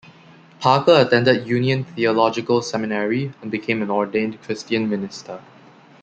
Parker attended Union Theological Seminary, and became an ordained Christian minister.